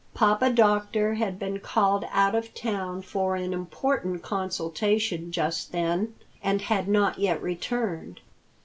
Papa Doctor had been called out of town for an important consultation just then, and had not yet returned.